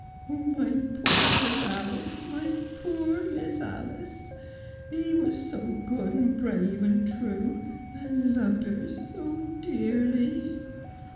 ' Oh, my poor Miss Alice, my poor Miss Alice ! He was so good and brave and true, and loved her so dearly.'